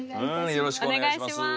よろしくお願いします。